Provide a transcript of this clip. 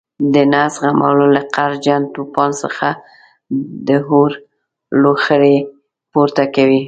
د نه زغملو له قهرجن توپان څخه د اور لوخړې پورته کوي.